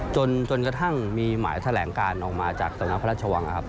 จนกระทั่งมีหมายแถลงการออกมาจากสำนักพระราชวังนะครับ